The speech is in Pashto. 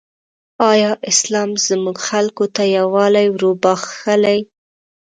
ایا اسلام زموږ خلکو ته یووالی وروباخښلی؟